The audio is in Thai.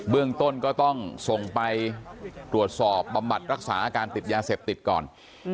เรื่องต้นก็ต้องส่งไปตรวจสอบบำบัดรักษาอาการติดยาเสพติดก่อน